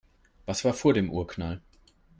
Was war vor dem Urknall?